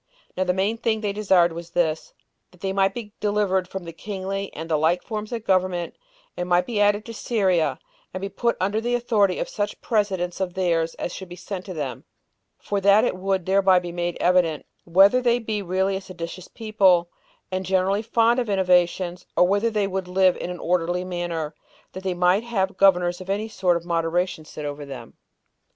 Now the main thing they desired was this: That they might be delivered from kingly and the like forms of government, 20 and might be added to Syria, and be put under the authority of such presidents of theirs as should be sent to them; for that it would thereby be made evident, whether they be really a seditious people, and generally fond of innovations, or whether they would live in an orderly manner, if they might have governors of any sort of moderation set over them.